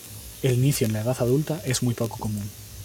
El inicio en la edad adulta es muy poco común.